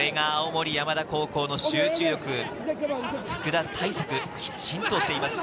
青森山田高校の集中力、福田対策きちっとしています。